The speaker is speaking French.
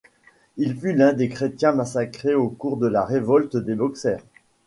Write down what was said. Il fut l'un des chrétiens massacrés au cours de la révolte des Boxers.